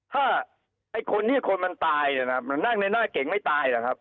ถ้าไอ้คนที่คนมันตายเนี่ยนะครับนั่งในน่าเก่งไม่ตายนะครับ